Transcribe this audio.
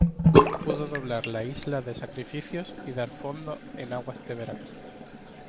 pudo doblar la Isla de Sacrificios y dar fondo en aguas de Veracruz.